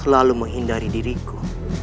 lalu menghindari diriku